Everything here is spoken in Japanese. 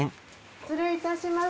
失礼いたします。